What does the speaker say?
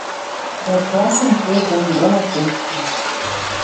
Дӓ цӓшӹм когом дӓ лачокшым.